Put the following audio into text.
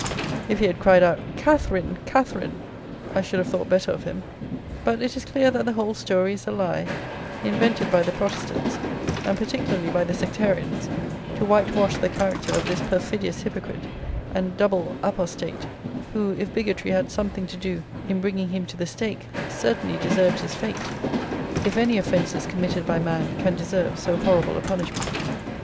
If he had cried out Catherine! Catherine! I should have thought better of him; but it is clear that the whole story is a lie, invented by the protestants, and particularly by the sectarians, to white wash the character of this perfidious hypocrite and double apostate, who, if bigotry had something to do in bringing him to the stake, certainly deserved his fate, if any offences committed by man can deserve so horrible a punishment.